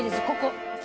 ここ。